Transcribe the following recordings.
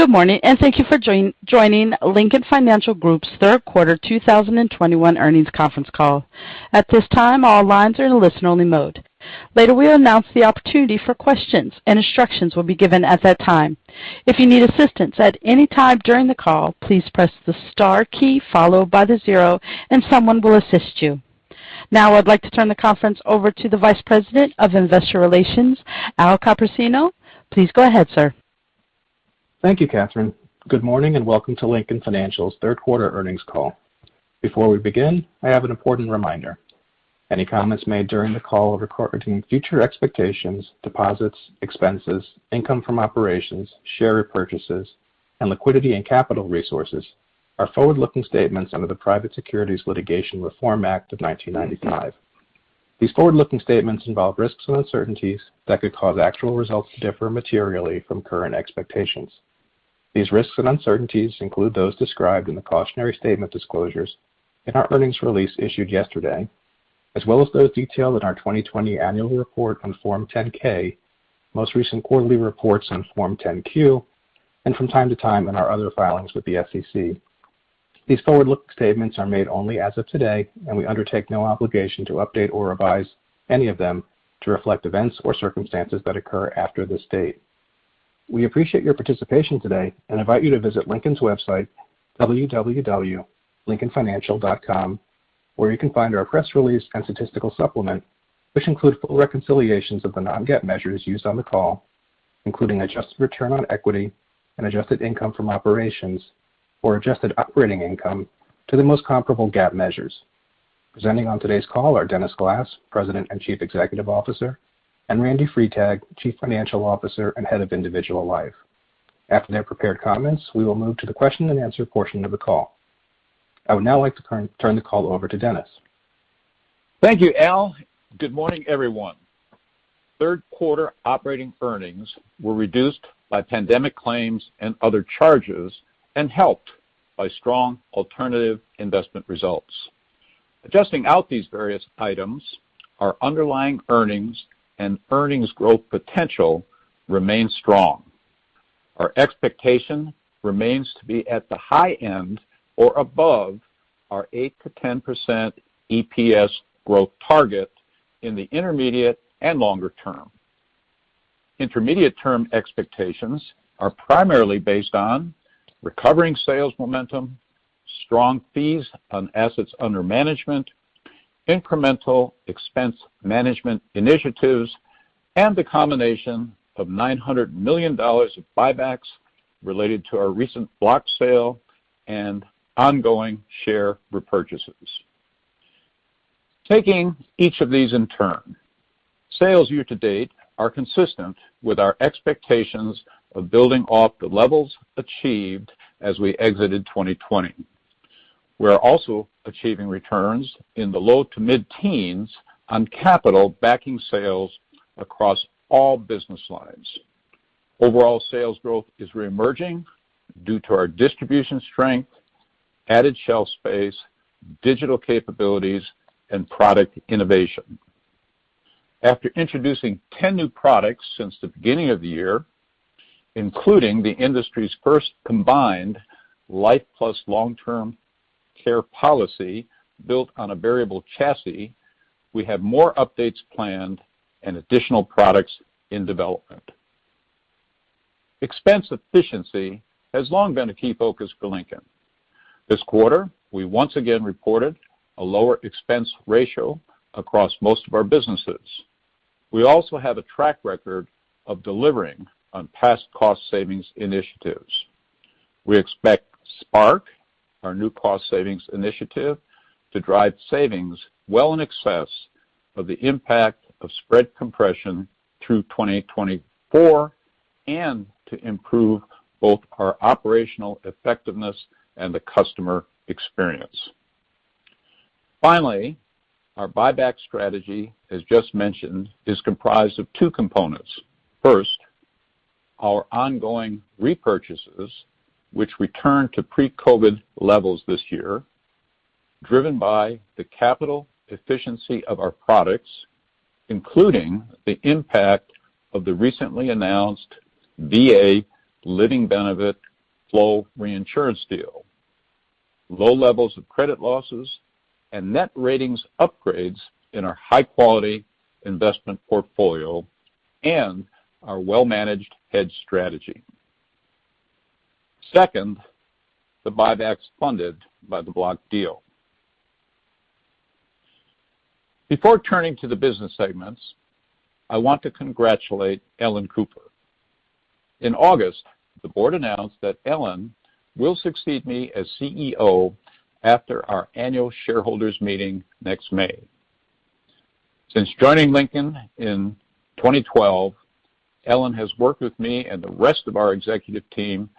Good morning, and thank you for joining Lincoln Financial Group's third quarter 2021 earnings conference call. At this time, all lines are in a listen-only mode. Later, we'll announce the opportunity for questions and instructions will be given at that time. If you need assistance at any time during the call, please press the star key followed by the zero and someone will assist you. Now, I'd like to turn the conference over to the Vice President of Investor Relations, Al Copersino. Please go ahead, sir. Thank you, Catherine. Good morning and welcome to Lincoln Financial's third quarter earnings call. Before we begin, I have an important reminder. Any comments made during the call regarding future expectations, deposits, expenses, income from operations, share repurchases, and liquidity and capital resources are forward-looking statements under the Private Securities Litigation Reform Act of 1995. These forward-looking statements involve risks and uncertainties that could cause actual results to differ materially from current expectations. These risks and uncertainties include those described in the cautionary statement disclosures in our earnings release issued yesterday, as well as those detailed in our 2020 annual report on Form 10-K, most recent quarterly reports on Form 10-Q, and from time to time in our other filings with the SEC. These forward-looking statements are made only as of today, and we undertake no obligation to update or revise any of them to reflect events or circumstances that occur after this date. We appreciate your participation today and invite you to visit Lincoln's website, www.lincolnfinancial.com, where you can find our press release and statistical supplement, which include full reconciliations of the non-GAAP measures used on the call, including adjusted return on equity and adjusted income from operations or adjusted operating income to the most comparable GAAP measures. Presenting on today's call are Dennis Glass, President and Chief Executive Officer, and Randy Freitag, Chief Financial Officer and Head of Individual Life. After their prepared comments, we will move to the question and answer portion of the call. I would now like to turn the call over to Dennis. Thank you, Al. Good morning, everyone. Third quarter operating earnings were reduced by pandemic claims and other charges and helped by strong alternative investment results. Adjusting out these various items, our underlying earnings and earnings growth potential remain strong. Our expectation remains to be at the high end or above our 8%-10% EPS growth target in the intermediate and longer term. Intermediate term expectations are primarily based on recovering sales momentum, strong fees on assets under management, incremental expense management initiatives, and the combination of $900 million of buybacks related to our recent block sale and ongoing share repurchases. Taking each of these in turn, sales year to date are consistent with our expectations of building off the levels achieved as we exited 2020. We are also achieving returns in the low to mid-teens on capital backing sales across all business lines. Overall sales growth is reemerging due to our distribution strength, added shelf space, digital capabilities, and product innovation. After introducing 10 new products since the beginning of the year, including the industry's first combined life plus long-term care policy built on a variable chassis, we have more updates planned and additional products in development. Expense efficiency has long been a key focus for Lincoln. This quarter, we once again reported a lower expense ratio across most of our businesses. We also have a track record of delivering on past cost savings initiatives. We expect SPARK, our new cost savings initiative, to drive savings well in excess of the impact of spread compression through 2024 and to improve both our operational effectiveness and the customer experience. Finally, our buyback strategy, as just mentioned, is comprised of two components. First, our ongoing repurchases which return to pre-COVID levels this year, driven by the capital efficiency of our products, including the impact of the recently announced VA Living Benefit Flow reinsurance deal, low levels of credit losses and net ratings upgrades in our high-quality investment portfolio and our well-managed hedge strategy. Second, the buybacks funded by the block deal. Before turning to the business segments, I want to congratulate Ellen Cooper. In August, the board announced that Ellen will succeed me as CEO after our annual shareholders meeting next May. Since joining Lincoln in 2012, Ellen has worked with me and the rest of our executive team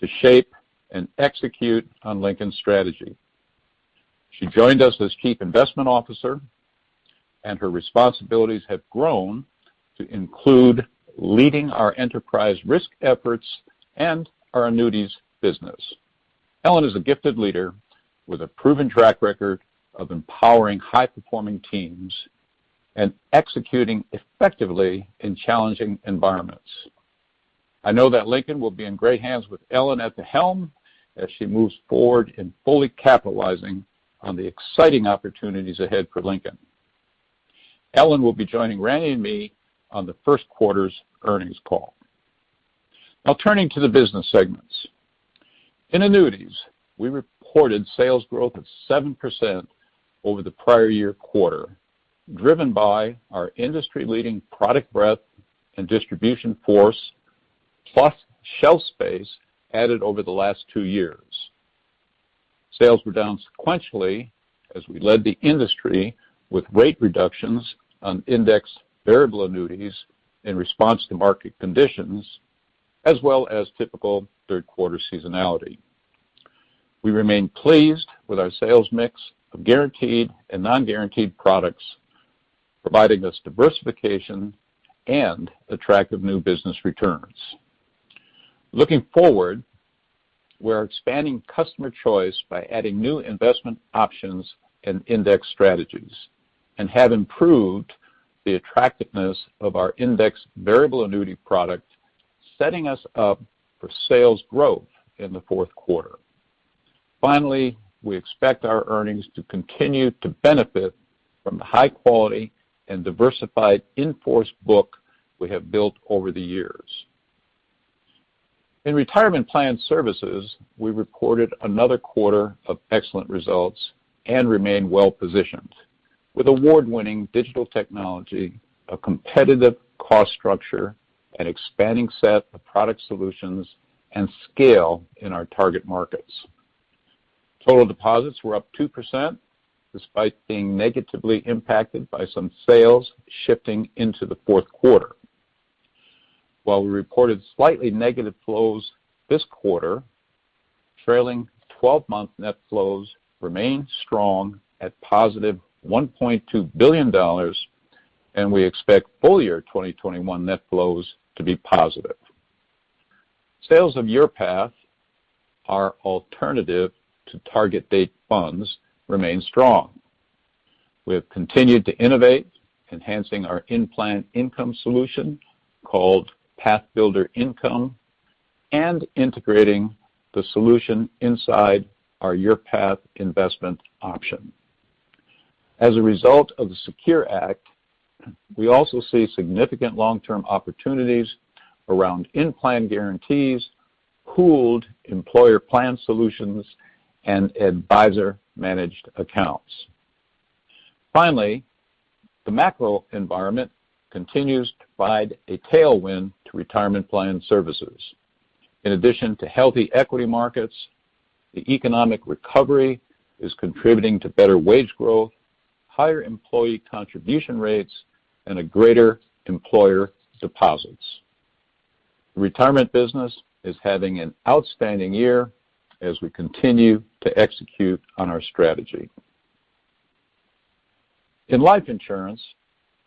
to shape and execute on Lincoln's strategy. She joined us as Chief Investment Officer and her responsibilities have grown to include leading our enterprise risk efforts and our annuities business. Ellen is a gifted leader with a proven track record of empowering high-performing teams and executing effectively in challenging environments. I know that Lincoln will be in great hands with Ellen at the helm as she moves forward in fully capitalizing on the exciting opportunities ahead for Lincoln. Ellen will be joining Randy and me on the first quarter's earnings call. Now turning to the business segments. In Annuities, we reported sales growth of 7% over the prior-year quarter, driven by our industry-leading product breadth and distribution force, plus shelf space added over the last two years. Sales were down sequentially as we led the industry with rate reductions on indexed variable annuities in response to market conditions, as well as typical third quarter seasonality. We remain pleased with our sales mix of guaranteed and non-guaranteed products, providing us diversification and attractive new business returns. Looking forward, we're expanding customer choice by adding new investment options and index strategies, and have improved the attractiveness of our indexed variable annuity product, setting us up for sales growth in the fourth quarter. Finally, we expect our earnings to continue to benefit from the high quality and diversified in-force book we have built over the years. In retirement plan services, we reported another quarter of excellent results and remain well positioned with award-winning digital technology, a competitive cost structure, an expanding set of product solutions, and scale in our target markets. Total deposits were up 2% despite being negatively impacted by some sales shifting into the fourth quarter. While we reported slightly negative flows this quarter, trailing twelve-month net flows remain strong at positive $1.2 billion, and we expect full year 2021 net flows to be positive. Sales of YourPath, our alternative to target date funds, remain strong. We have continued to innovate, enhancing our in-plan income solution, called PathBuilder Income, and integrating the solution inside our YourPath investment option. As a result of the SECURE Act, we also see significant long-term opportunities around in-plan guarantees, pooled employer plan solutions, and advisor-managed accounts. Finally, the macro environment continues to provide a tailwind to retirement plan services. In addition to healthy equity markets, the economic recovery is contributing to better wage growth, higher employee contribution rates, and a greater employer deposits. Retirement business is having an outstanding year as we continue to execute on our strategy. In life insurance,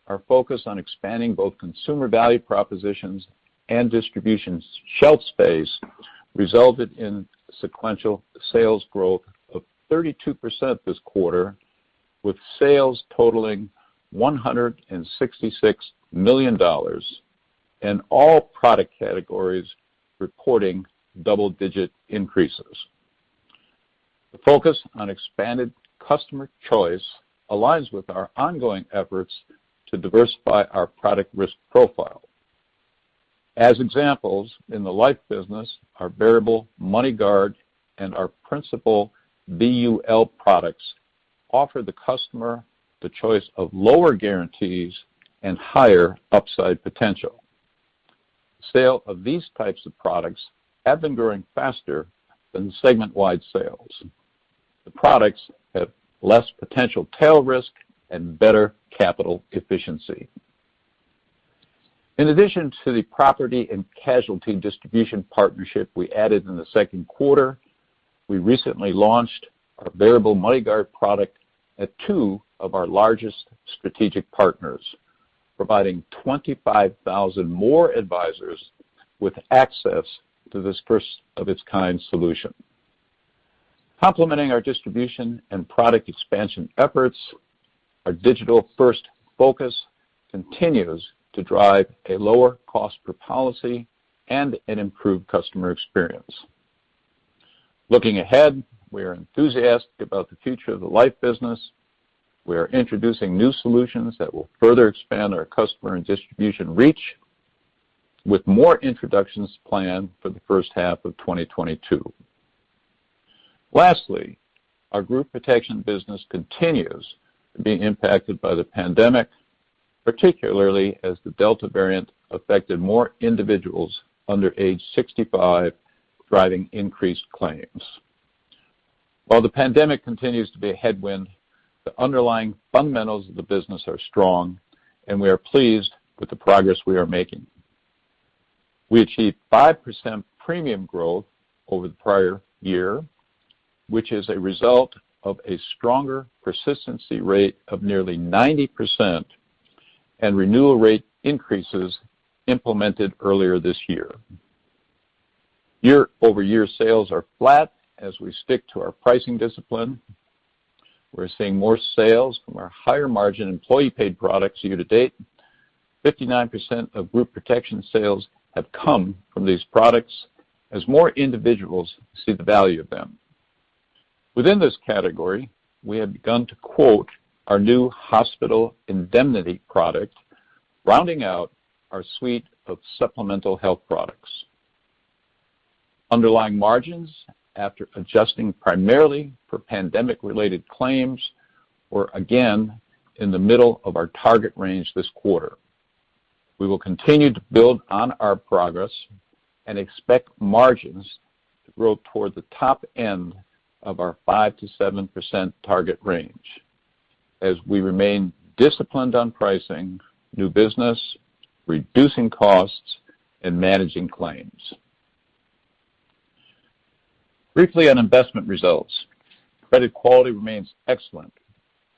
our focus on expanding both consumer value propositions and distribution shelf space resulted in sequential sales growth of 32% this quarter, with sales totaling $166 million and all product categories reporting double-digit increases. The focus on expanded customer choice aligns with our ongoing efforts to diversify our product risk profile. As examples, in the life business, our Variable MoneyGuard and our Principal VUL products offer the customer the choice of lower guarantees and higher upside potential. Sale of these types of products have been growing faster than segment-wide sales. The products have less potential tail risk and better capital efficiency. In addition to the property and casualty distribution partnership we added in the second quarter, we recently launched our Variable MoneyGuard product at two of our largest strategic partners, providing 25,000 more advisors with access to this first-of-its-kind solution. Complementing our distribution and product expansion efforts, our digital-first focus continues to drive a lower cost per policy and an improved customer experience. Looking ahead, we are enthusiastic about the future of the life business. We are introducing new solutions that will further expand our customer and distribution reach, with more introductions planned for the first half of 2022. Lastly, our group protection business continues to be impacted by the pandemic, particularly as the Delta variant affected more individuals under age 65, driving increased claims. While the pandemic continues to be a headwind, the underlying fundamentals of the business are strong, and we are pleased with the progress we are making. We achieved 5% premium growth over the prior year, which is a result of a stronger persistency rate of nearly 90% and renewal rate increases implemented earlier this year. Year-over-year sales are flat as we stick to our pricing discipline. We're seeing more sales from our higher margin employee paid products year to date. 59% of group protection sales have come from these products as more individuals see the value of them. Within this category, we have begun to quote our new Hospital Indemnity product, rounding out our suite of supplemental health products. Underlying margins after adjusting primarily for pandemic-related claims were again in the middle of our target range this quarter. We will continue to build on our progress and expect margins to grow toward the top end of our 5%-7% target range as we remain disciplined on pricing new business, reducing costs, and managing claims. Briefly on investment results. Credit quality remains excellent.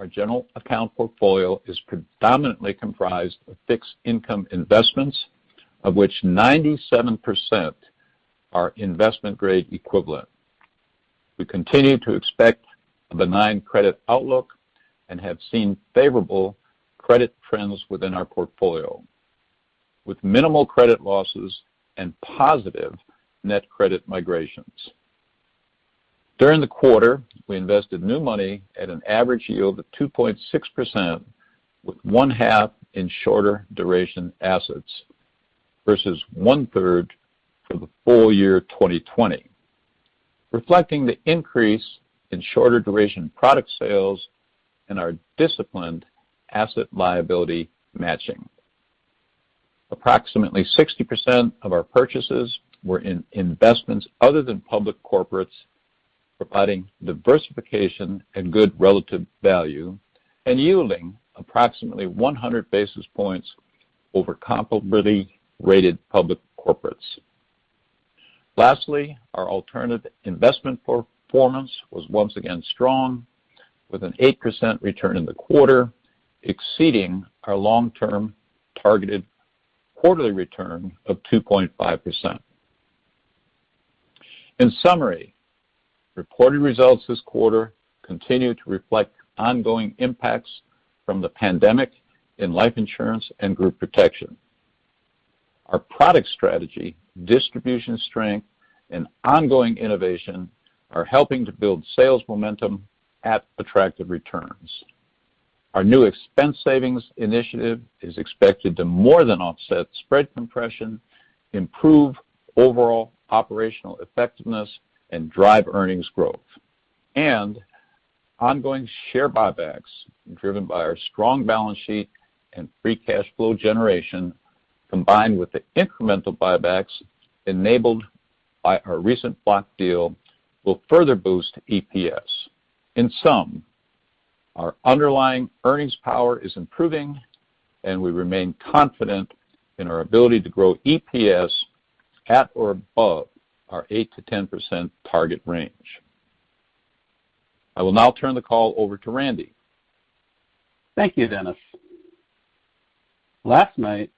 Our general account portfolio is predominantly comprised of fixed income investments, of which 97% are investment grade equivalent. We continue to expect a benign credit outlook and have seen favorable credit trends within our portfolio with minimal credit losses and positive net credit migrations. During the quarter, we invested new money at an average yield of 2.6% with one half in shorter duration assets versus one-third for the full year 2020, reflecting the increase in shorter duration product sales and our disciplined asset liability matching. Approximately 60% of our purchases were in investments other than public corporates, providing diversification and good relative value and yielding approximately 100 basis points over comparably rated public corporates. Lastly, our alternative investment performance was once again strong with an 8% return in the quarter, exceeding our long-term targeted quarterly return of 2.5%. In summary, reported results this quarter continued to reflect ongoing impacts from the pandemic in life insurance and group protection. Our product strategy, distribution strength, and ongoing innovation are helping to build sales momentum at attractive returns. Our new expense savings initiative is expected to more than offset spread compression, improve overall operational effectiveness, and drive earnings growth. Ongoing share buybacks driven by our strong balance sheet and free cash flow generation, combined with the incremental buybacks enabled by our recent block deal, will further boost EPS. In sum, our underlying earnings power is improving, and we remain confident in our ability to grow EPS at or above our 8%-10% target range. I will now turn the call over to Randy. Thank you, Dennis. Last night,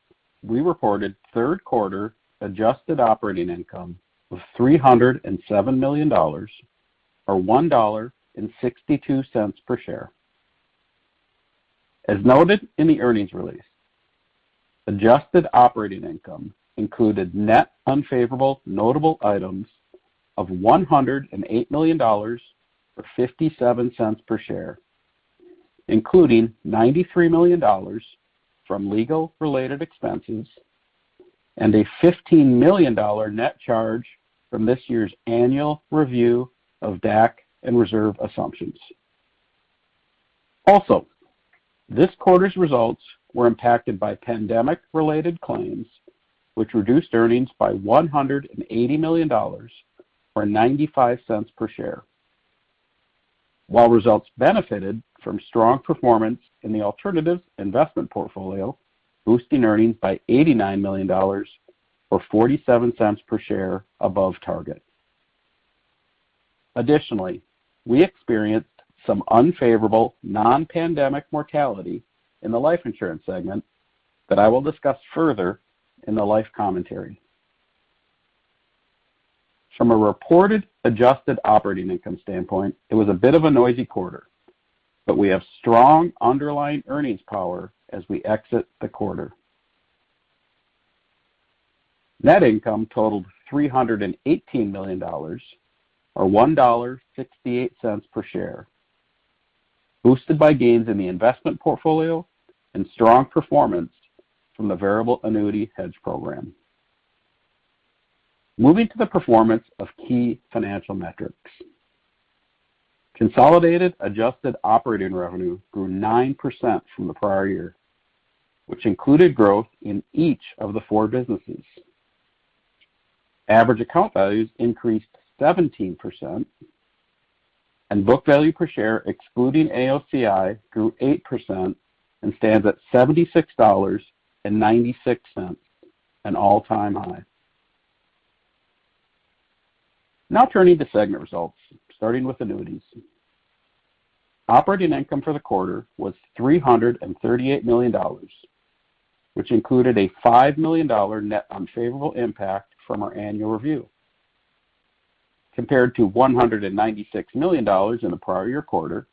we reported third quarter adjusted operating income of $307 million or $1.62 per share. As noted in the earnings release, adjusted operating income included net unfavorable notable items of $108 million, or $0.57 per share, including $93 million from legal related expenses and a $15 million net charge from this year's annual review of DAC and reserve assumptions. This quarter's results were impacted by pandemic related claims, which reduced earnings by $180 million or $0.95 per share. Results benefited from strong performance in the alternative investment portfolio, boosting earnings by $89 million or $0.47 per share above target. We experienced some unfavorable non-pandemic mortality in the life insurance segment that I will discuss further in the life commentary. From a reported adjusted operating income standpoint, it was a bit of a noisy quarter, but we have strong underlying earnings power as we exit the quarter. Net income totaled $318 million or $1.68 per share, boosted by gains in the investment portfolio and strong performance from the variable annuity hedge program. Moving to the performance of key financial metrics. Consolidated adjusted operating revenue grew 9% from the prior year, which included growth in each of the four businesses. Average account values increased 17%, and book value per share, excluding AOCI, grew 8% and stands at $76.96, an all-time high. Now turning to segment results, starting with Annuities. Operating income for the quarter was $338 million, which included a $5 million net unfavorable impact from our annual review, compared to $196 million in the prior year quarter,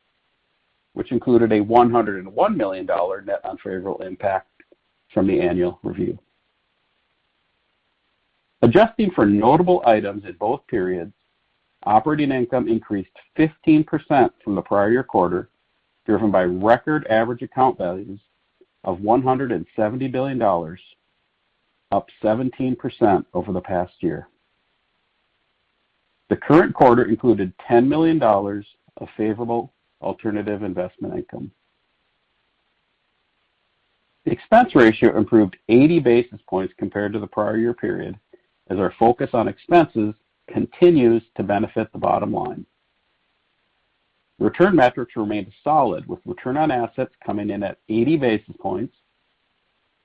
which included a $101 million net unfavorable impact from the annual review. Adjusting for notable items in both periods, operating income increased 15% from the prior year quarter, driven by record average account values of $170 billion, up 17% over the past year. The current quarter included $10 million of favorable alternative investment income. The expense ratio improved 80 basis points compared to the prior year period as our focus on expenses continues to benefit the bottom line. Return metrics remained solid, with return on assets coming in at 80 basis points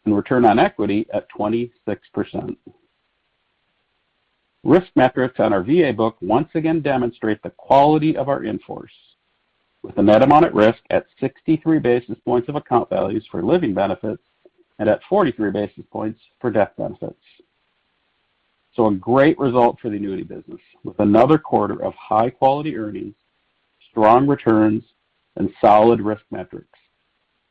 and return on equity at 26%. Risk metrics on our VA book once again demonstrate the quality of our in-force, with a net amount at risk at 63 basis points of account values for living benefits and at 43 basis points for death benefits. A great result for the annuity business, with another quarter of high-quality earnings, strong returns, and solid risk metrics,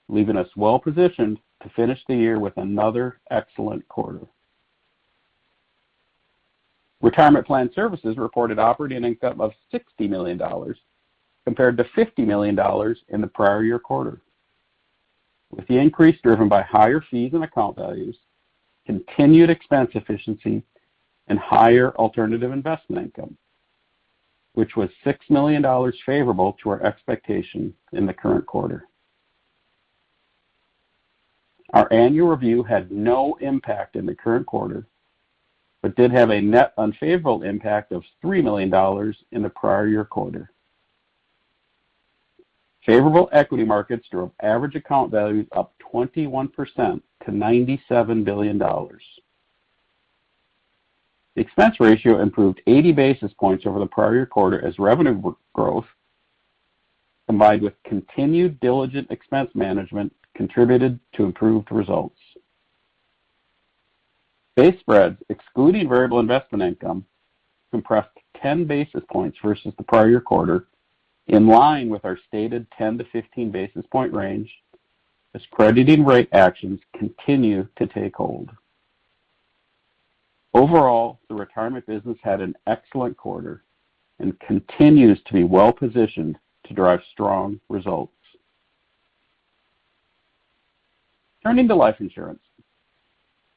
leaving us well positioned to finish the year with another excellent quarter. Retirement Plan Services reported operating income of $60 million compared to $50 million in the prior year quarter, with the increase driven by higher fees and account values, continued expense efficiency, and higher alternative investment income, which was $6 million favorable to our expectations in the current quarter. Our annual review had no impact in the current quarter, but did have a net unfavorable impact of $3 million in the prior year quarter. Favorable equity markets drove average account values up 21% to $97 billion. The expense ratio improved 80 basis points over the prior year quarter as revenue growth combined with continued diligent expense management contributed to improved results. Base spreads, excluding variable investment income, compressed 10 basis points versus the prior year quarter, in line with our stated 10- to 15-basis point range as crediting rate actions continue to take hold. Overall, the retirement business had an excellent quarter and continues to be well-positioned to drive strong results. Turning to life insurance.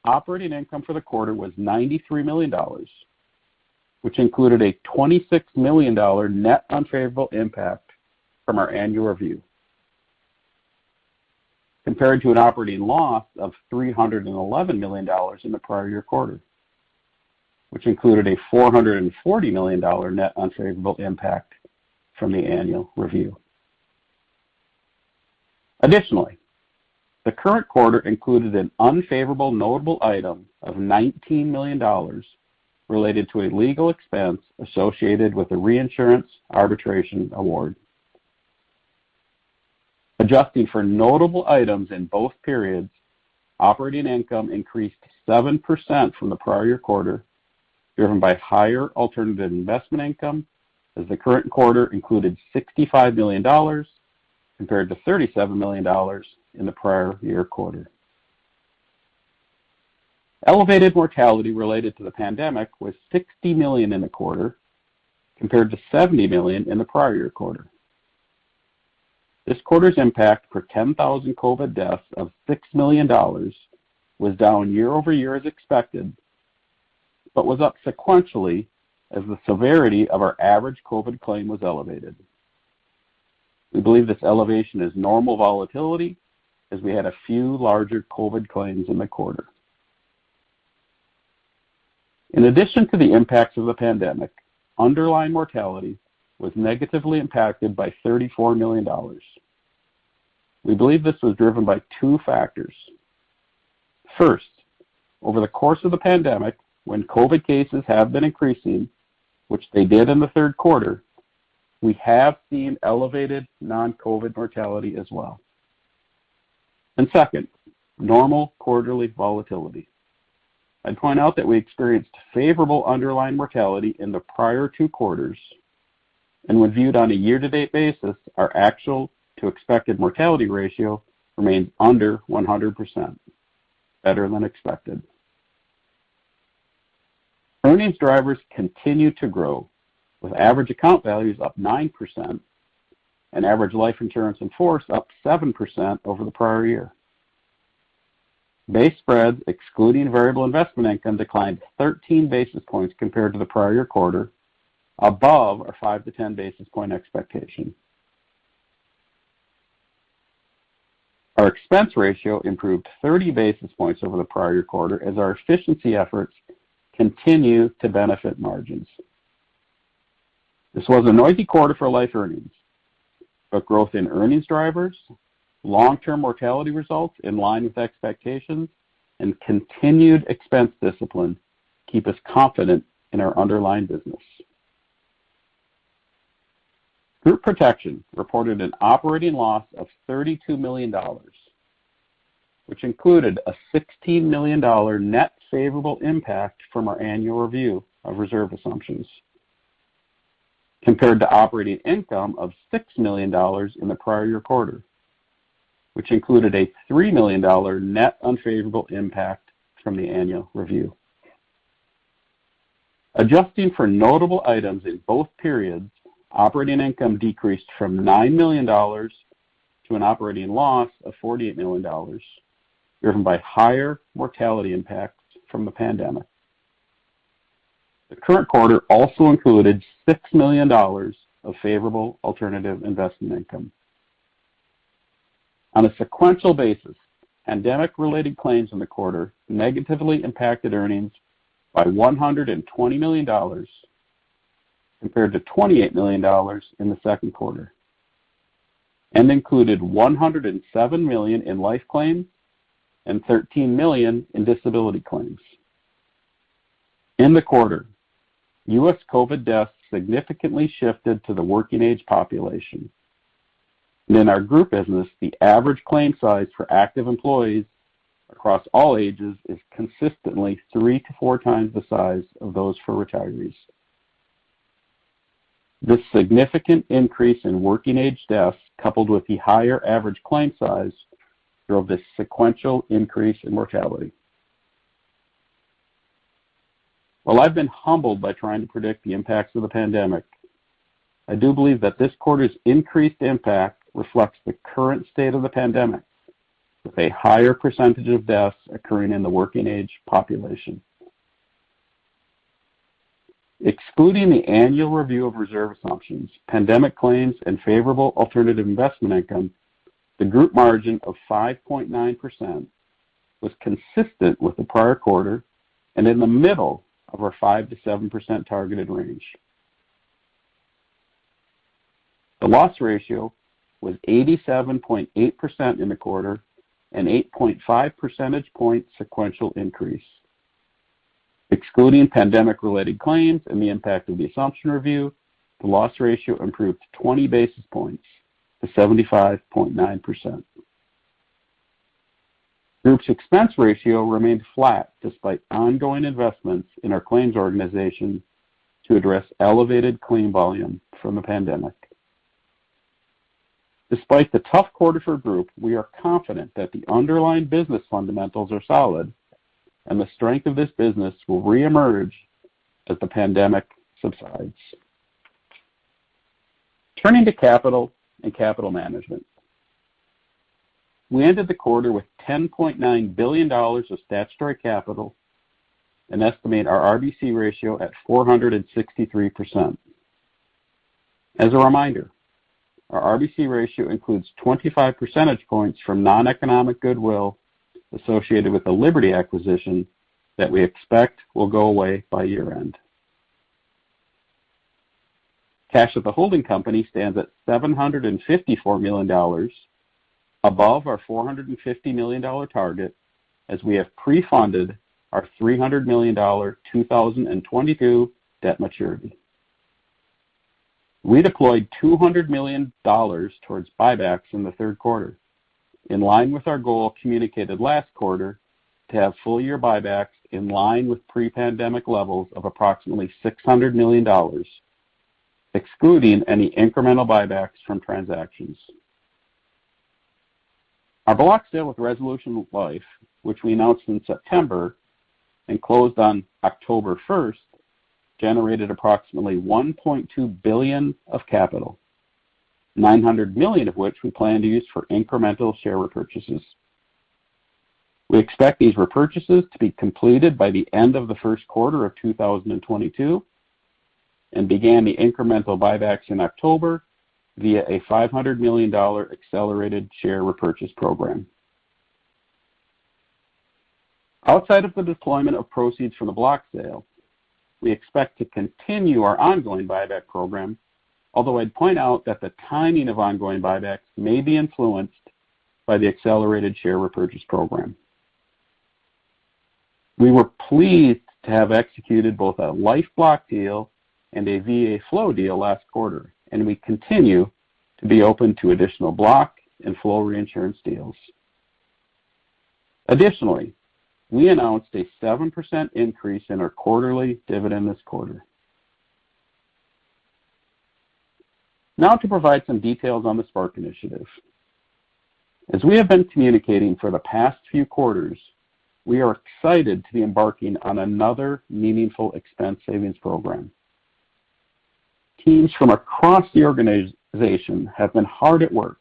Operating income for the quarter was $93 million, which included a $26 million net unfavorable impact from our annual review, compared to an operating loss of $311 million in the prior year quarter, which included a $440 million net unfavorable impact from the annual review. Additionally, the current quarter included an unfavorable notable item of $19 million related to a legal expense associated with a reinsurance arbitration award. Adjusting for notable items in both periods, operating income increased 7% from the prior year quarter, driven by higher alternative investment income as the current quarter included $65 million compared to $37 million in the prior year quarter. Elevated mortality related to the pandemic was $60 million in the quarter, compared to $70 million in the prior year quarter. This quarter's impact per 10,000 COVID deaths of $6 million was down year-over-year as expected, but was up sequentially as the severity of our average COVID claim was elevated. We believe this elevation is normal volatility as we had a few larger COVID claims in the quarter. In addition to the impacts of the pandemic, underlying mortality was negatively impacted by $34 million. We believe this was driven by two factors. First, over the course of the pandemic, when COVID cases have been increasing, which they did in the third quarter, we have seen elevated non-COVID mortality as well. Second, normal quarterly volatility. I'd point out that we experienced favorable underlying mortality in the prior two quarters, and when viewed on a year-to-date basis, our actual to expected mortality ratio remains under 100%, better than expected. Earnings drivers continue to grow, with average account values up 9% and average life insurance in force up 7% over the prior year. Base spreads excluding variable investment income declined 13 basis points compared to the prior year quarter, above our 5-10 basis point expectation. Our expense ratio improved 30 basis points over the prior year quarter as our efficiency efforts continue to benefit margins. This was a noisy quarter for life earnings, but growth in earnings drivers, long-term mortality results in line with expectations, and continued expense discipline. Keep us confident in our underlying business. Group Protection reported an operating loss of $32 million, which included a $16 million net favorable impact from our annual review of reserve assumptions, compared to operating income of $6 million in the prior quarter, which included a $3 million net unfavorable impact from the annual review. Adjusting for notable items in both periods, operating income decreased from $9 million to an operating loss of $48 million, driven by higher mortality impacts from the pandemic. The current quarter also included $6 million of favorable alternative investment income. On a sequential basis, pandemic-related claims in the quarter negatively impacted earnings by $120 million compared to $28 million in the second quarter, and included $107 million in life claims and $13 million in disability claims. In the quarter, U.S. COVID deaths significantly shifted to the working age population. In our group business, the average claim size for active employees across all ages is consistently 3-4 times the size of those for retirees. This significant increase in working age deaths, coupled with the higher average claim size, drove this sequential increase in mortality. While I've been humbled by trying to predict the impacts of the pandemic, I do believe that this quarter's increased impact reflects the current state of the pandemic, with a higher percentage of deaths occurring in the working age population. Excluding the annual review of reserve assumptions, pandemic claims, and favorable alternative investment income, the group margin of 5.9% was consistent with the prior quarter and in the middle of our 5%-7% targeted range. The loss ratio was 87.8% in the quarter, an 8.5 percentage point sequential increase. Excluding pandemic-related claims and the impact of the assumption review, the loss ratio improved 20 basis points to 75.9%. Group's expense ratio remained flat despite ongoing investments in our claims organization to address elevated claim volume from the pandemic. Despite the tough quarter for Group, we are confident that the underlying business fundamentals are solid and the strength of this business will reemerge as the pandemic subsides. Turning to capital and capital management. We ended the quarter with $10.9 billion of statutory capital and estimate our RBC ratio at 463%. As a reminder, our RBC ratio includes 25 percentage points from non-economic goodwill associated with the Liberty acquisition that we expect will go away by year-end. Cash at the holding company stands at $754 million above our $450 million target as we have pre-funded our $300 million 2022 debt maturity. We deployed $200 million towards buybacks in the third quarter, in line with our goal communicated last quarter to have full year buybacks in line with pre-pandemic levels of approximately $600 million, excluding any incremental buybacks from transactions. Our block sale with Resolution Life, which we announced in September and closed on October 1, generated approximately $1.2 billion of capital, $900 million of which we plan to use for incremental share repurchases. We expect these repurchases to be completed by the end of the first quarter of 2022 and began the incremental buybacks in October via a $500 million accelerated share repurchase program. Outside of the deployment of proceeds from the block sale, we expect to continue our ongoing buyback program, although I'd point out that the timing of ongoing buybacks may be influenced by the accelerated share repurchase program. We were pleased to have executed both a life block deal and a VA flow deal last quarter, and we continue to be open to additional block and flow reinsurance deals. Additionally, we announced a 7% increase in our quarterly dividend this quarter. Now to provide some details on the SPARK initiative. As we have been communicating for the past few quarters, we are excited to be embarking on another meaningful expense savings program. Teams from across the organization have been hard at work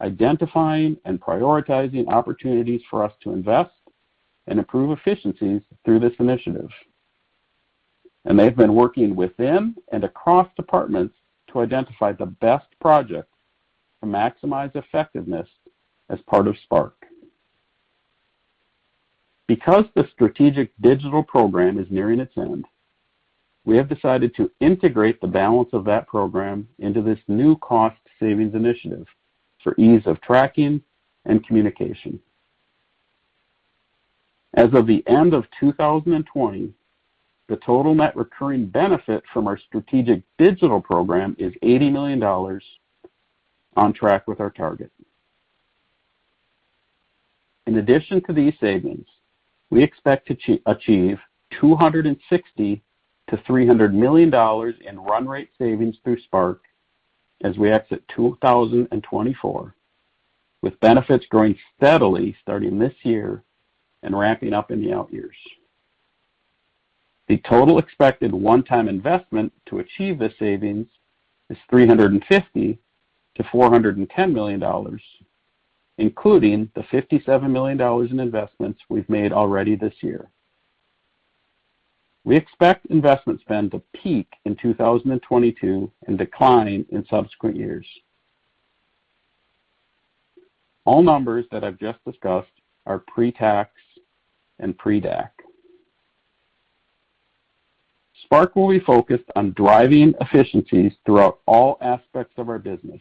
identifying and prioritizing opportunities for us to invest and improve efficiencies through this initiative. They've been working within and across departments to identify the best projects to maximize effectiveness as part of SPARK. Because the strategic digital program is nearing its end. We have decided to integrate the balance of that program into this new cost savings initiative for ease of tracking and communication. As of the end of 2020, the total net recurring benefit from our strategic digital program is $80 million on track with our target. In addition to these savings, we expect to achieve $260 million-$300 million in run rate savings through SPARK as we exit 2024, with benefits growing steadily starting this year and ramping up in the out years. The total expected one-time investment to achieve this savings is $350 million-$410 million, including the $57 million in investments we've made already this year. We expect investment spend to peak in 2022 and decline in subsequent years. All numbers that I've just discussed are pre-tax and pre-DAC. SPARK will be focused on driving efficiencies throughout all aspects of our business,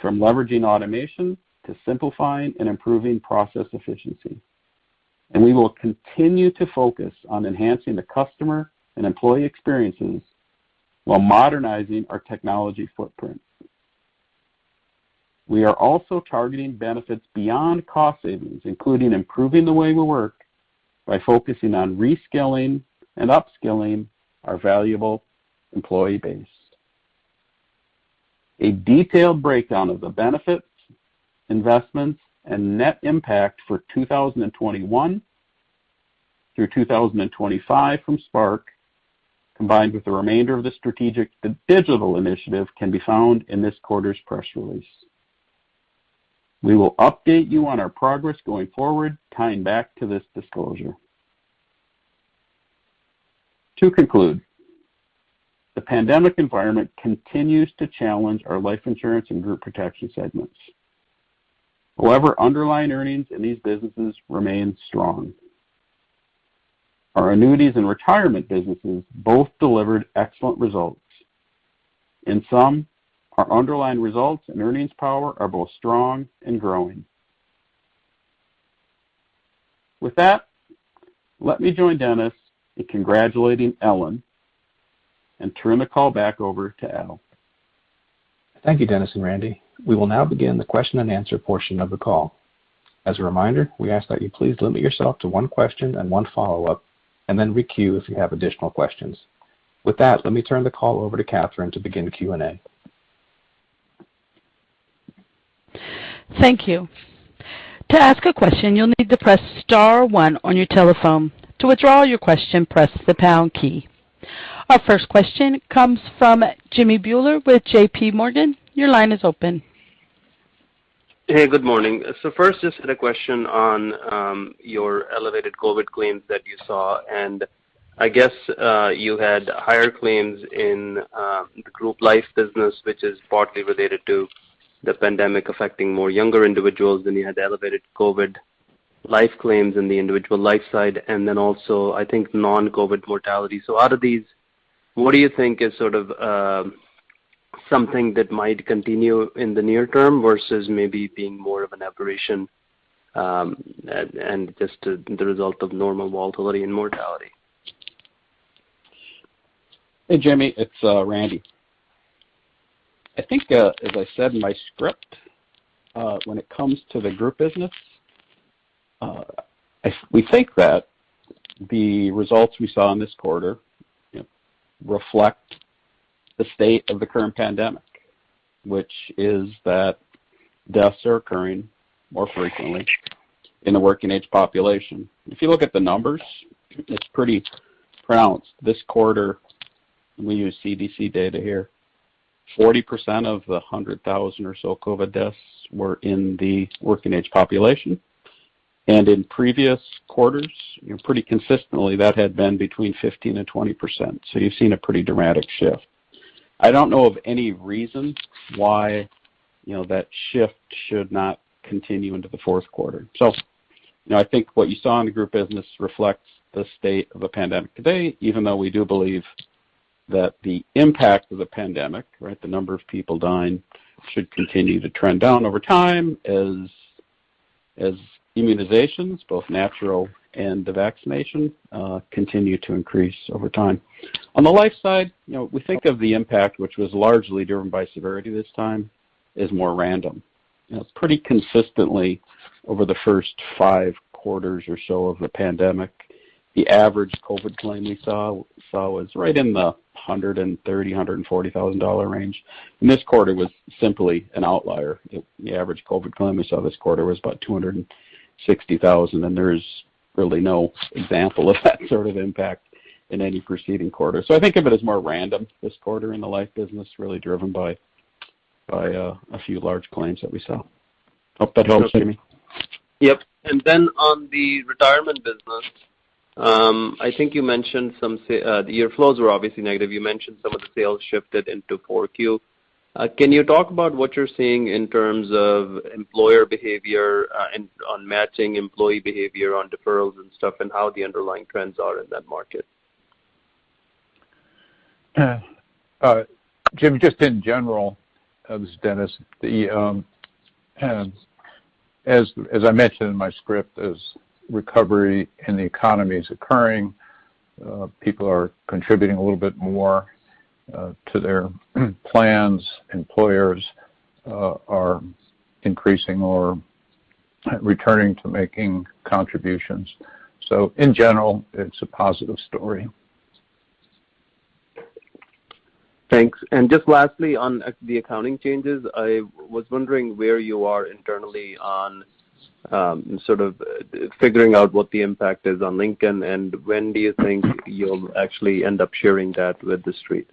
from leveraging automation to simplifying and improving process efficiency. We will continue to focus on enhancing the customer and employee experiences while modernizing our technology footprint. We are also targeting benefits beyond cost savings, including improving the way we work by focusing on reskilling and upskilling our valuable employee base. A detailed breakdown of the benefits, investments, and net impact for 2021 through 2025 from SPARK, combined with the remainder of the strategic digital initiative, can be found in this quarter's press release. We will update you on our progress going forward, tying back to this disclosure. To conclude, the pandemic environment continues to challenge our Life Insurance and Group Protection segments. However, underlying earnings in these businesses remain strong. Our Annuities and Retirement businesses both delivered excellent results. In sum, our underlying results and earnings power are both strong and growing. With that, let me join Dennis in congratulating Ellen and turn the call back over to Al. Thank you, Dennis and Randy. We will now begin the question and answer portion of the call. As a reminder, we ask that you please limit yourself to one question and one follow-up, and then re-queue if you have additional questions. With that, let me turn the call over to Catherine to begin Q&A. Thank you. To ask a question, you'll need to press star one on your telephone. To withdraw your question, press the pound key. Our first question comes from Jimmy Bhullar with J.P. Morgan. Your line is open. Hey, good morning. First, just had a question on your elevated COVID claims that you saw, and I guess you had higher claims in the group life business, which is partly related to the pandemic affecting more younger individuals, then you had the elevated COVID life claims in the individual life side and then also I think non-COVID mortality. Out of these, what do you think is sort of something that might continue in the near term versus maybe being more of an aberration, and just the result of normal volatility and mortality? Hey, Jimmy, it's Randy. I think, as I said in my script, when it comes to the group business, we think that the results we saw in this quarter, you know, reflect the state of the current pandemic, which is that deaths are occurring more frequently in the working age population. If you look at the numbers, it's pretty pronounced. This quarter, we use CDC data here, 40% of the 100,000 or so COVID deaths were in the working age population. In previous quarters, you know, pretty consistently that had been between 15% and 20%. You've seen a pretty dramatic shift. I don't know of any reason why, you know, that shift should not continue into the fourth quarter. You know, I think what you saw in the group business reflects the state of a pandemic today, even though we do believe that the impact of the pandemic, right, the number of people dying should continue to trend down over time as immunizations, both natural and the vaccination, continue to increase over time. On the life side, you know, we think of the impact which was largely driven by severity this time is more random. You know, it's pretty consistently over the first 5 quarters or so of the pandemic, the average COVID claim we saw was right in the $130,000-$140,000 range. This quarter was simply an outlier. The average COVID claim we saw this quarter was about $260,000, and there's really no example of that sort of impact in any preceding quarter. I think of it as more random this quarter in the life business, really driven by a few large claims that we saw. Hope that helps, Jimmy. Yep. On the retirement business, I think you mentioned the year flows were obviously negative. You mentioned some of the sales shifted into Q4. Can you talk about what you're seeing in terms of employer behavior, and on matching employee behavior on deferrals and stuff, and how the underlying trends are in that market? Jimmy, just in general, this is Dennis. As I mentioned in my script, as recovery in the economy is occurring, people are contributing a little bit more to their plans. Employers are increasing or returning to making contributions. In general, it's a positive story. Thanks. Just lastly, on the accounting changes, I was wondering where you are internally on sort of figuring out what the impact is on Lincoln, and when do you think you'll actually end up sharing that with the street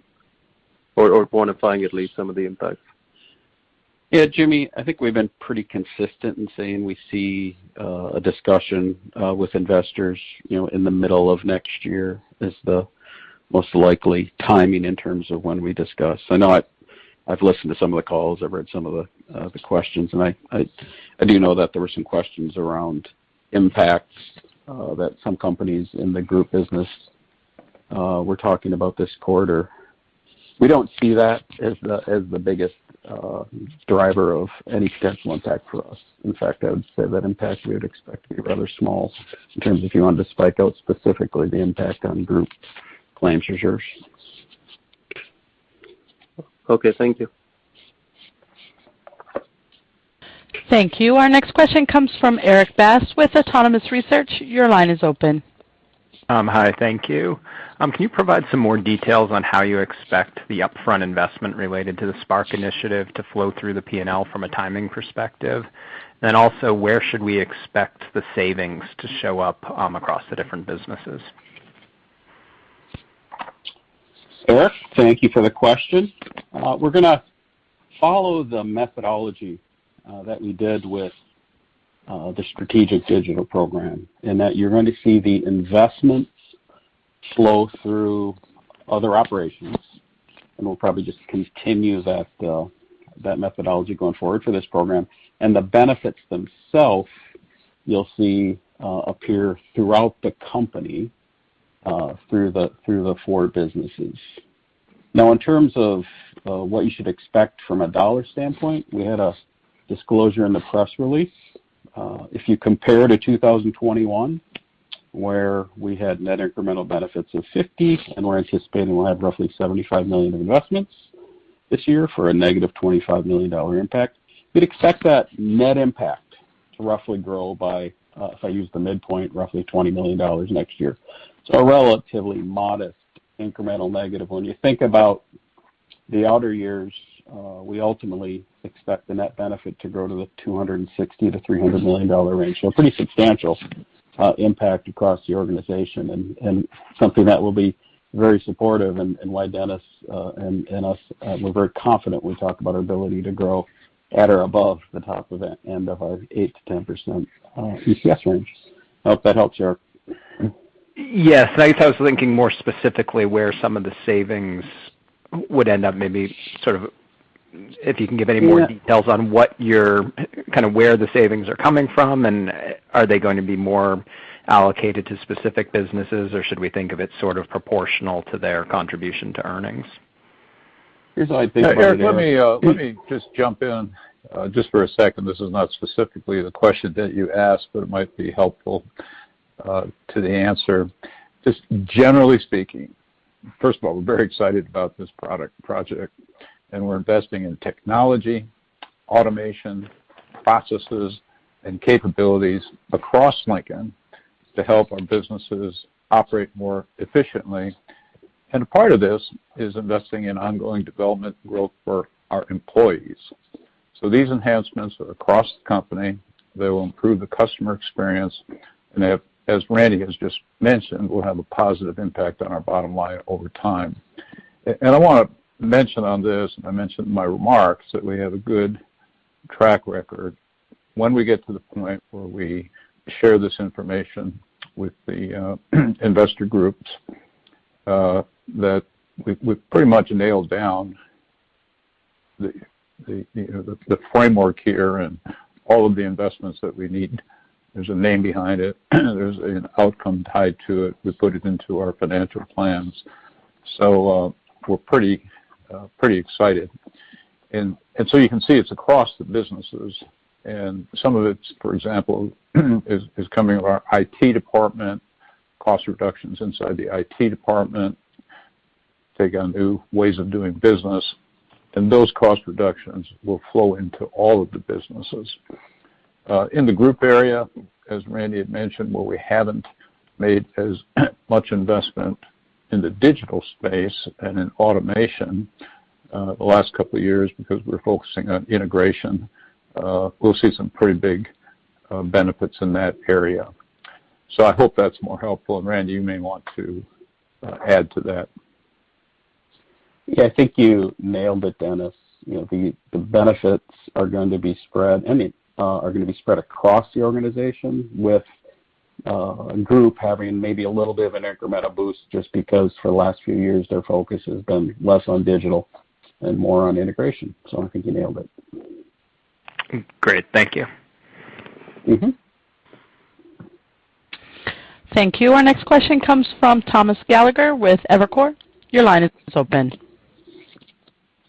or quantifying at least some of the impacts? Yeah, Jimmy, I think we've been pretty consistent in saying we see a discussion with investors, you know, in the middle of next year is the most likely timing in terms of when we discuss. I know I've listened to some of the calls. I've read some of the questions, and I do know that there were some questions around impacts that some companies in the group business were talking about this quarter. We don't see that as the biggest driver of any substantial impact for us. In fact, I would say that impact we would expect to be rather small in terms of if you wanted to break out specifically the impact on group claims reserves. Okay. Thank you. Thank you. Our next question comes from Erik Bass with Autonomous Research. Your line is open. Hi. Thank you. Can you provide some more details on how you expect the upfront investment related to the SPARK initiative to flow through the P&L from a timing perspective? Where should we expect the savings to show up across the different businesses? Erik, thank you for the question. We're gonna follow the methodology that we did with the Strategic Digital Program, in that you're going to see the investments flow through other operations, and we'll probably just continue that methodology going forward for this program. The benefits themselves you'll see appear throughout the company through the four businesses. Now in terms of what you should expect from a dollar standpoint, we had a disclosure in the press release. If you compare to 2021, where we had net incremental benefits of $50 million, and we're anticipating we'll have roughly $75 million in investments this year for a negative $25 million impact, we'd expect that net impact to roughly grow by, if I use the midpoint, roughly $20 million next year. A relatively modest incremental negative. When you think about the outer years, we ultimately expect the net benefit to grow to the $260 million-$300 million range. A pretty substantial impact across the organization and something that will be very supportive and why Dennis and us we're very confident when we talk about our ability to grow at or above the top of that end of our 8%-10% EPS range. I hope that helps, Erik. Yes. I guess I was thinking more specifically where some of the savings would end up, maybe sort of if you can give any more details on kinda where the savings are coming from, and are they going to be more allocated to specific businesses, or should we think of it sort of proportional to their contribution to earnings? Here's what I think. Erik, let me just jump in just for a second. This is not specifically the question that you asked, but it might be helpful to the answer. Just generally speaking, first of all, we're very excited about this product project, and we're investing in technology, automation, processes, and capabilities across Lincoln to help our businesses operate more efficiently. A part of this is investing in ongoing development growth for our employees. These enhancements are across the company. They will improve the customer experience, and they have, as Randy has just mentioned, will have a positive impact on our bottom line over time. I wanna mention on this, and I mentioned in my remarks, that we have a good track record when we get to the point where we share this information with the investor groups that we've pretty much nailed down the, you know, the framework here and all of the investments that we need. There's a name behind it. There's an outcome tied to it. We put it into our financial plans. We're pretty excited. You can see it's across the businesses. Some of it, for example, is coming out of our IT department, cost reductions inside the IT department, take on new ways of doing business, and those cost reductions will flow into all of the businesses. In the group area, as Randy had mentioned, where we haven't made as much investment in the digital space and in automation, the last couple of years because we're focusing on integration, we'll see some pretty big benefits in that area. I hope that's more helpful. Randy, you may want to add to that. Yeah. I think you nailed it, Dennis. You know, the benefits are going to be spread, I mean, are going to be spread across the organization with and Group having maybe a little bit of an incremental boost just because for the last few years their focus has been less on digital and more on integration. I think you nailed it. Great. Thank you. Mm-hmm. Thank you. Our next question comes from Thomas Gallagher with Evercore. Your line is open.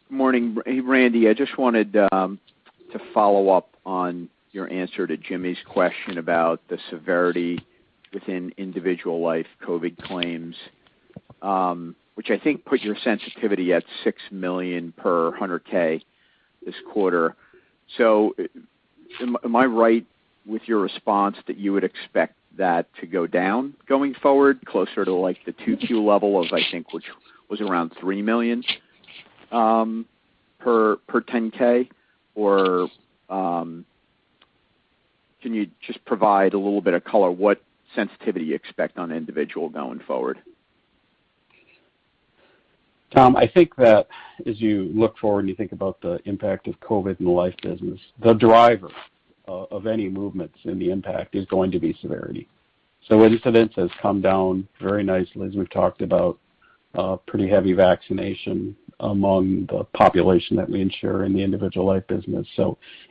Morning. Hey, Randy, I just wanted to follow up on your answer to Jimmy's question about the severity within individual life COVID claims, which I think put your sensitivity at $6 million per 100K this quarter. Am I right with your response that you would expect that to go down going forward closer to like the 2022 level of, I think, which was around $3 million per 10K? Or can you just provide a little bit of color what sensitivity you expect on individual going forward? Tom, I think that as you look forward and you think about the impact of COVID in the life business, the driver of any movements in the impact is going to be severity. Incidence has come down very nicely, as we've talked about, pretty heavy vaccination among the population that we insure in the individual life business.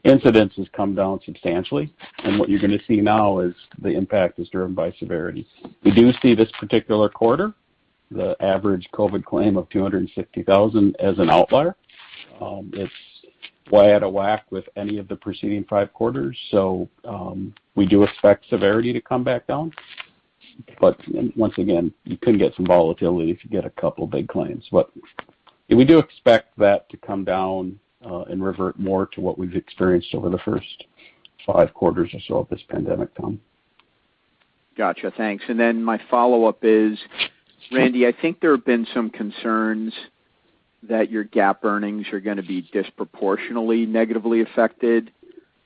Incidence has come down substantially, and what you're gonna see now is the impact is driven by severity. We do see this particular quarter, the average COVID claim of $250,000 as an outlier. It's way out of whack with any of the preceding five quarters, we do expect severity to come back down. Once again, you could get some volatility if you get a couple of big claims. We do expect that to come down, and revert more to what we've experienced over the first five quarters or so of this pandemic, Tom. Gotcha. Thanks. My follow-up is, Randy, I think there have been some concerns that your GAAP earnings are gonna be disproportionately negatively affected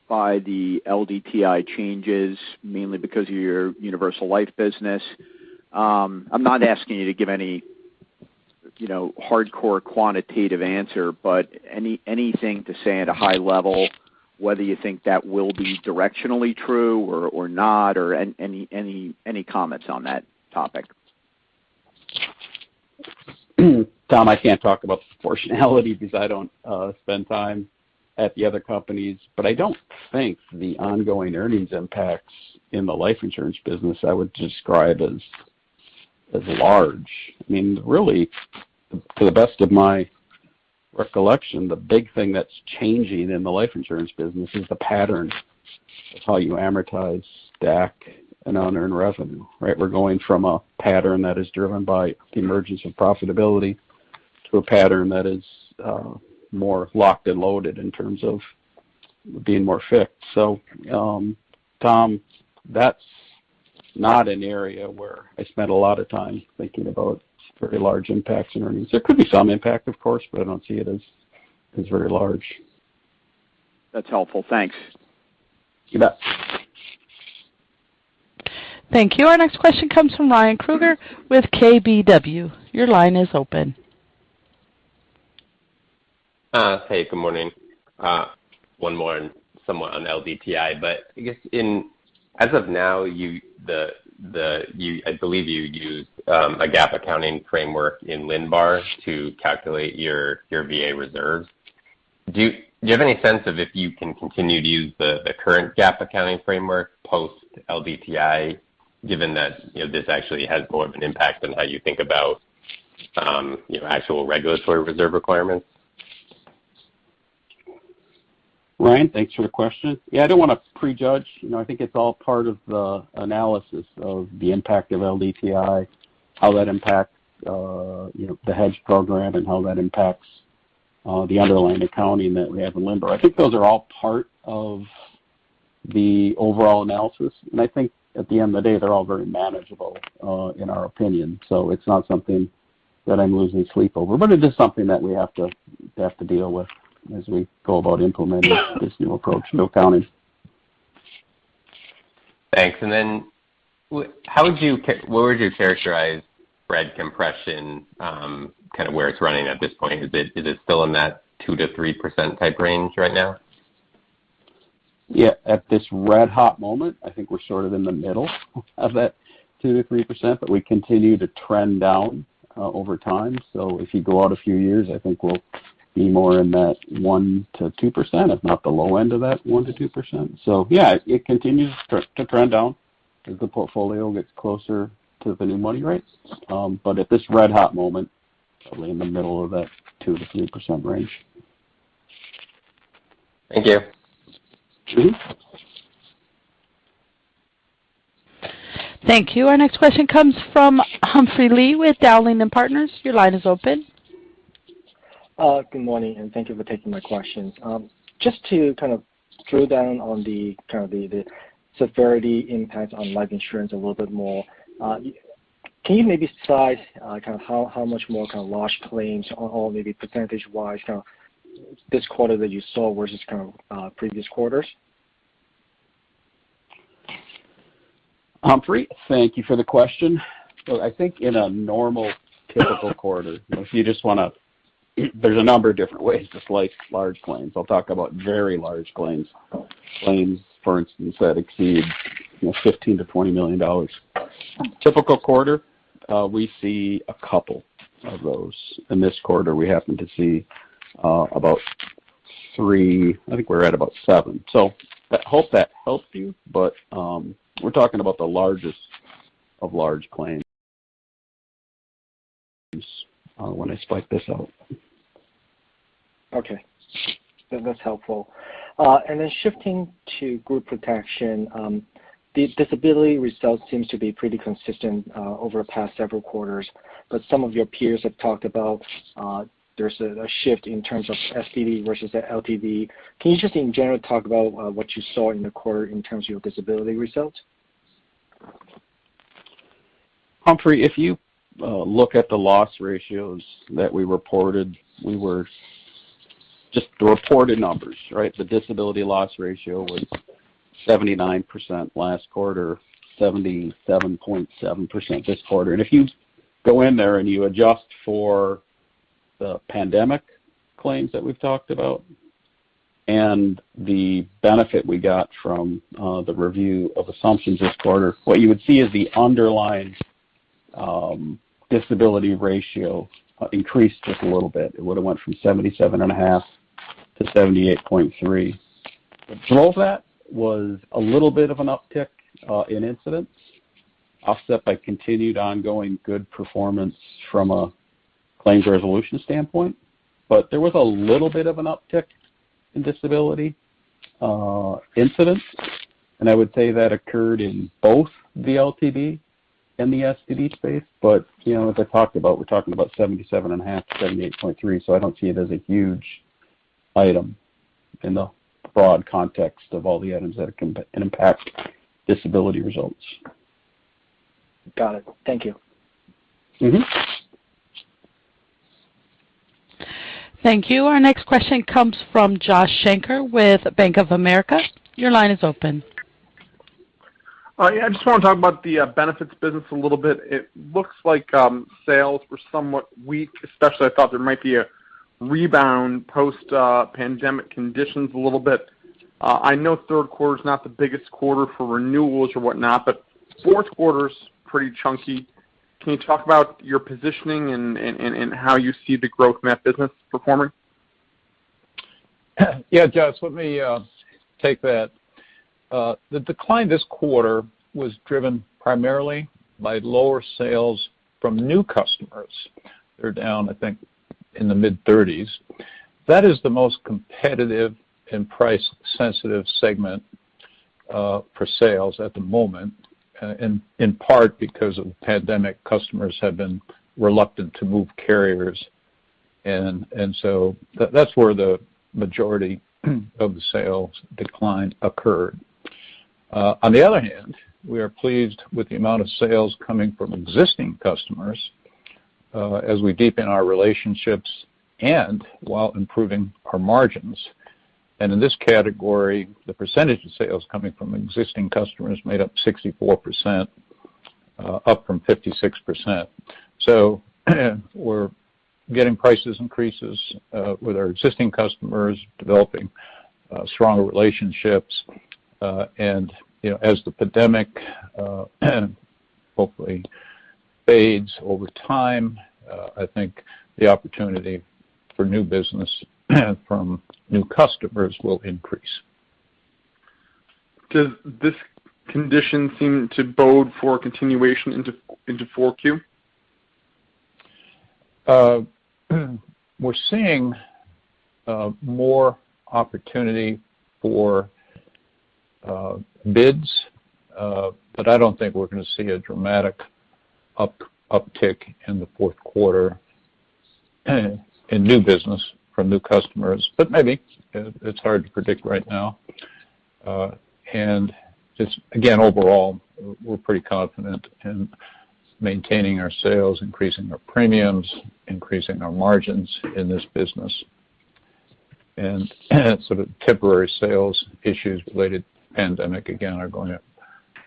by the LDTI changes, mainly because of your universal life business. I'm not asking you to give any, you know, hardcore quantitative answer, but anything to say at a high level whether you think that will be directionally true or not or any comments on that topic? Tom, I can't talk about proportionality because I don't spend time at the other companies. I don't think the ongoing earnings impacts in the life insurance business I would describe as large. I mean, really, for the best of my recollection, the big thing that's changing in the life insurance business is the pattern of how you amortize DAC and unearned revenue, right? We're going from a pattern that is driven by the emergence of profitability to a pattern that is more locked and loaded in terms of being more fixed. Tom, that's not an area where I spend a lot of time thinking about very large impacts in earnings. There could be some impact, of course, but I don't see it as very large. That's helpful. Thanks. You bet. Thank you. Our next question comes from Ryan Krueger with KBW. Your line is open. Hey, good morning. One more somewhat on LDTI, but I guess as of now, you—I believe you use a GAAP accounting framework in LINBAR to calculate your VA reserves. Do you have any sense of if you can continue to use the current GAAP accounting framework post-LDTI, given that, you know, this actually has more of an impact on how you think about, you know, actual regulatory reserve requirements? Ryan, thanks for the question. Yeah, I don't wanna prejudge. You know, I think it's all part of the analysis of the impact of LDTI, how that impacts, you know, the hedge program and how that impacts, the underlying accounting that we have in LINBAR. I think those are all part of the overall analysis. I think at the end of the day, they're all very manageable, in our opinion. It's not something that I'm losing sleep over, but it is something that we have to deal with as we go about implementing this new approach to accounting. Thanks. What would you characterize spread compression, kind of where it's running at this point? Is it still in that 2%-3% type range right now? Yeah. At this red-hot moment, I think we're sort of in the middle of that 2%-3%, but we continue to trend down over time. If you go out a few years, I think we'll be more in that 1%-2%, if not the low end of that 1%-2%. Yeah, it continues to trend down as the portfolio gets closer to the new money rates. At this red-hot moment, probably in the middle of that 2%-3% range. Thank you. Mm-hmm. Thank you. Our next question comes from Humphrey Lee with Dowling & Partners. Your line is open. Good morning, and thank you for taking my question. Just to kind of drill down on the severity impact on life insurance a little bit more, can you maybe size kind of how much more kind of large claims or maybe percentage-wise, kind of this quarter that you saw versus kind of previous quarters? Humphrey, thank you for the question. I think in a normal typical quarter, if you just wanna. There's a number of different ways to slice large claims. I'll talk about very large claims. Claims, for instance, that exceed, you know, $15 million-$20 million. Typical quarter, we see a couple of those. In this quarter, we happen to see about 3. I think we're at about 7. I hope that helps you, but, we're talking about the largest of large claims, when I slice this out. Okay. That's helpful. Shifting to group protection, the disability results seems to be pretty consistent over the past several quarters. Some of your peers have talked about there's a shift in terms of STD versus LTD. Can you just in general talk about what you saw in the quarter in terms of your disability results? Humphrey, if you look at the loss ratios that we reported, we were just at the reported numbers, right? The disability loss ratio was 79% last quarter, 77.7% this quarter. If you go in there, and you adjust for the pandemic claims that we've talked about and the benefit we got from the review of assumptions this quarter, what you would see is the underlying disability ratio increased just a little bit. It would have went from 77.5 to 78.3. Through all that, there was a little bit of an uptick in incidents, offset by continued ongoing good performance from a claims resolution standpoint. There was a little bit of an uptick in disability incidents, and I would say that occurred in both the LTD and the STD space. You know, as I talked about, we're talking about 77.5-78.3, so I don't see it as a huge item in the broad context of all the items that can impact disability results. Got it. Thank you. Mm-hmm. Thank you. Our next question comes from Josh Shanker with Bank of America. Your line is open. Yeah, I just want to talk about the benefits business a little bit. It looks like sales were somewhat weak, especially I thought there might be a rebound post pandemic conditions a little bit. I know third quarter is not the biggest quarter for renewals or whatnot, but fourth quarter is pretty chunky. Can you talk about your positioning and how you see the growth in that business performing? Yeah, Josh. Let me take that. The decline this quarter was driven primarily by lower sales from new customers. They're down, I think, in the mid-30s. That is the most competitive and price-sensitive segment for sales at the moment, in part because of pandemic, customers have been reluctant to move carriers. So that's where the majority of the sales decline occurred. On the other hand, we are pleased with the amount of sales coming from existing customers, as we deepen our relationships and while improving our margins. In this category, the percentage of sales coming from existing customers made up 64%, up from 56%. We're getting price increases with our existing customers, developing stronger relationships. You know, as the pandemic hopefully fades over time, I think the opportunity for new business from new customers will increase. Does this condition seem to bode for continuation into Q4? We're seeing more opportunity for bids, but I don't think we're going to see a dramatic uptick in the fourth quarter in new business from new customers. Maybe. It's hard to predict right now. Just again, overall, we're pretty confident in maintaining our sales, increasing our premiums, increasing our margins in this business. Sort of temporary sales issues related to pandemic, again, are going to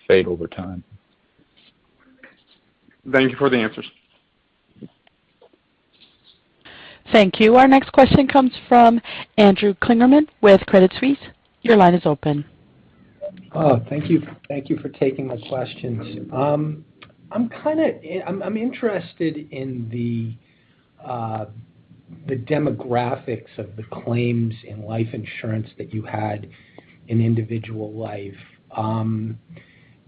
fade over time. Thank you for the answers. Thank you. Our next question comes from Andrew Kligerman with Credit Suisse. Your line is open. Oh, thank you. Thank you for taking my questions. I'm interested in the demographics of the claims in life insurance that you had in individual life,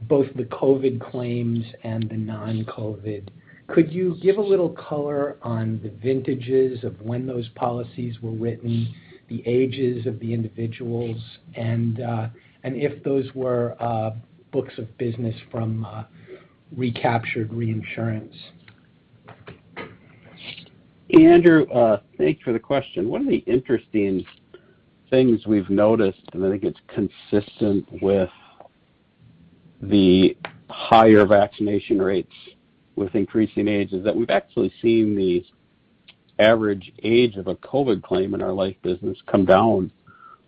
both the COVID claims and the non-COVID. Could you give a little color on the vintages of when those policies were written, the ages of the individuals, and if those were books of business from recaptured reinsurance? Andrew, thanks for the question. One of the interesting things we've noticed, and I think it's consistent with the higher vaccination rates with increasing age, is that we've actually seen the average age of a COVID claim in our life business come down.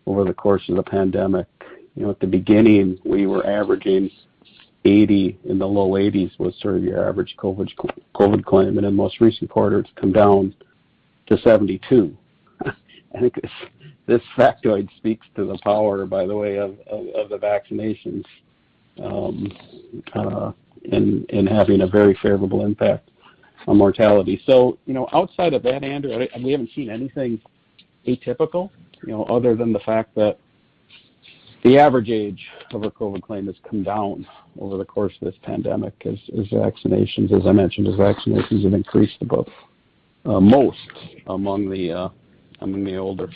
Over the course of the pandemic, at the beginning, we were averaging 80, in the low 80s was sort of your average COVID claim, and in most recent quarters, come down to 72. I think this factoid speaks to the power, by the way, of the vaccinations in having a very favorable impact on mortality. Outside of that, Andrew, we haven't seen anything atypical, other than the fact that the average age of a COVID claim has come down over the course of this pandemic as vaccinations, as I mentioned, as vaccinations have increased above most among the older.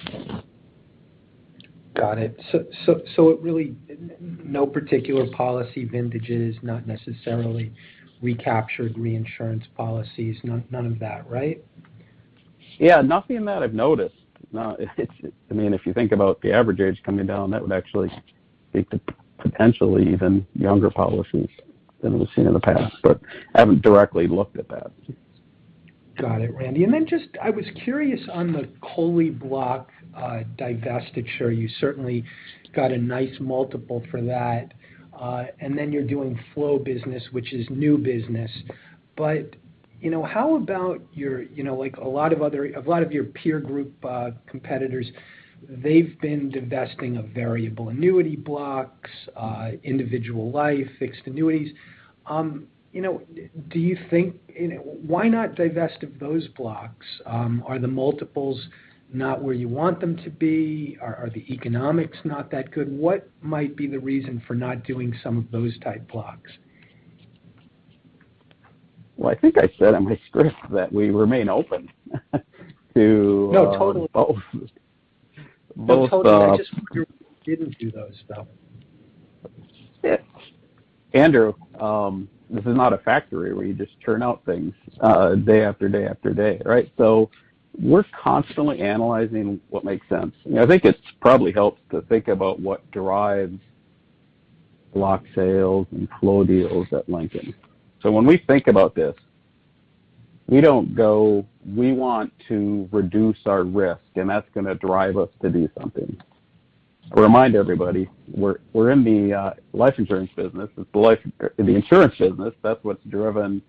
Got it. It really no particular policy vintages, not necessarily recaptured reinsurance policies, none of that, right? Yeah, nothing that I've noticed. No, it. I mean, if you think about the average age coming down, that would actually speak to potentially even younger policies than we've seen in the past. I haven't directly looked at that. Got it, Randy. Just, I was curious on the COLI block divestiture. You certainly got a nice multiple for that, and then you're doing flow business, which is new business. You know, how about your, you know, like a lot of your peer group competitors, they've been divesting of variable annuity blocks, individual life, fixed annuities. You know, do you think, you know, why not divest of those blocks? Are the multiples not where you want them to be? Are the economics not that good? What might be the reason for not doing some of those type blocks? Well, I think I said on my script that we remain open to. No, totally. Both. No, totally. I just wonder why you didn't do those, though. Yeah. Andrew, this is not a factory where you just turn out things, day after day after day, right? We're constantly analyzing what makes sense. You know, I think it probably helps to think about what drives block sales and flow deals at Lincoln. When we think about this, we don't go, we want to reduce our risk, and that's gonna drive us to do something. I remind everybody, we're in the life insurance business. It's the life insurance business. That's what's driven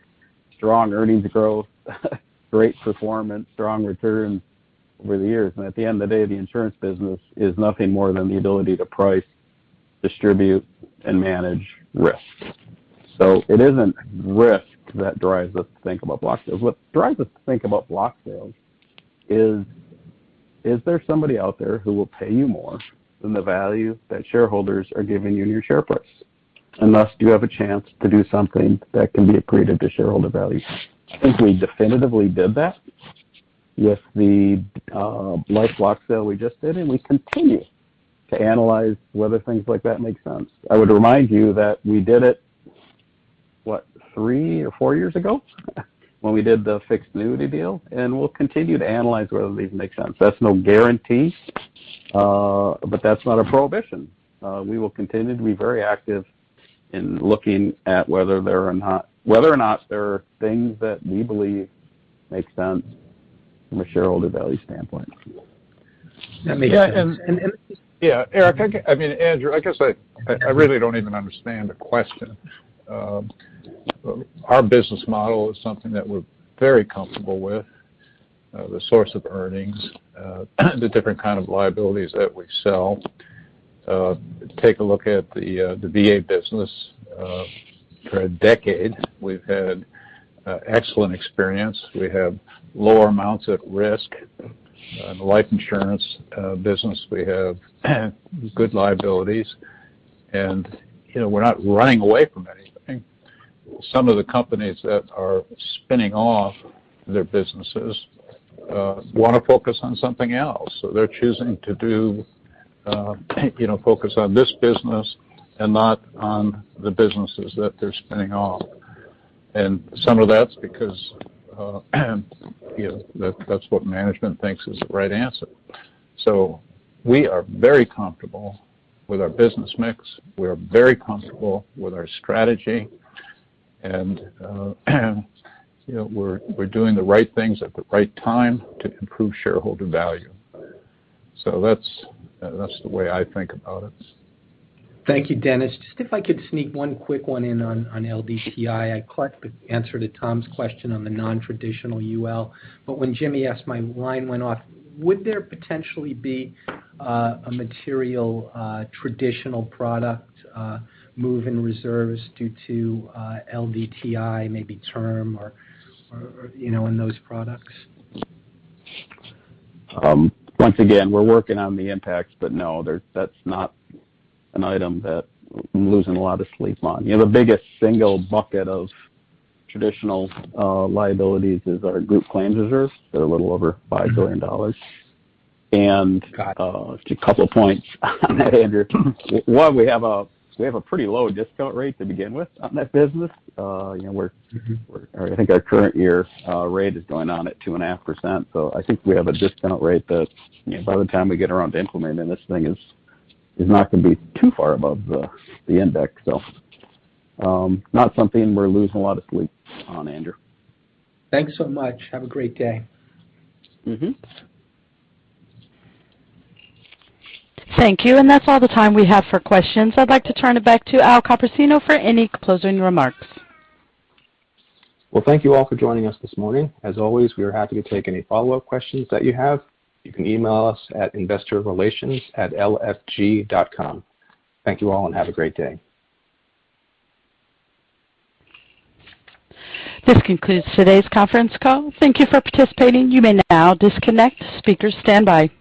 strong earnings growth, great performance, strong returns over the years. At the end of the day, the insurance business is nothing more than the ability to price, distribute, and manage risk. It isn't risk that drives us to think about block sales. What drives us to think about block sales is there somebody out there who will pay you more than the value that shareholders are giving you in your share price, unless you have a chance to do something that can be accretive to shareholder value. I think we definitively did that with the life block sale we just did, and we continue to analyze whether things like that make sense. I would remind you that we did it, what, three or four years ago when we did the fixed annuity deal, and we'll continue to analyze whether these make sense. That's no guarantee, but that's not a prohibition. We will continue to be very active in looking at whether or not there are things that we believe make sense from a shareholder value standpoint. That makes sense. Yeah, Erik, I mean, Andrew, I guess I really don't even understand the question. Our business model is something that we're very comfortable with, the source of earnings, the different kind of liabilities that we sell. Take a look at the VA business. For a decade, we've had excellent experience. We have lower amounts at risk. In the life insurance business, we have good liabilities. You know, we're not running away from anything. Some of the companies that are spinning off their businesses wanna focus on something else. They're choosing to do, you know, focus on this business and not on the businesses that they're spinning off. Some of that's because, you know, that's what management thinks is the right answer. We are very comfortable with our business mix. We are very comfortable with our strategy, and, you know, we're doing the right things at the right time to improve shareholder value. That's the way I think about it. Thank you, Dennis. Just if I could sneak one quick one in on LDTI. I recall the answer to Tom's question on the non-traditional UL, but when Jimmy asked, my line went off. Would there potentially be a material traditional product move in reserves due to LDTI, maybe term or you know in those products? Once again, we're working on the impacts, but no, they're, that's not an item that I'm losing a lot of sleep on. You know, the biggest single bucket of traditional liabilities is our group claims reserves. They're a little over $5 billion. Got it. Just a couple points on that, Andrew. One, we have a pretty low discount rate to begin with on that business. You know, we're- Mm-hmm. I think our current year rate is going on at 2.5%. I think we have a discount rate that, you know, by the time we get around to implementing this thing is not gonna be too far above the index. Not something we're losing a lot of sleep on, Andrew. Thanks so much. Have a great day. Mm-hmm. Thank you, and that's all the time we have for questions. I'd like to turn it back to Al Copersino for any closing remarks. Well, thank you all for joining us this morning. As always, we are happy to take any follow-up questions that you have. You can email us at InvestorRelations@LFG.com. Thank you all, and have a great day. This concludes today's conference call. Thank you for participating. You may now disconnect. Speakers, standby.